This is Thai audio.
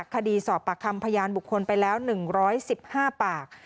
คดีสอบปากคำพยานบุคคลไปแล้ว๑๑๕ปาก